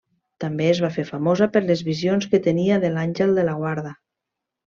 També es va fer famosa per les visions que tenia de l'Àngel de la Guarda.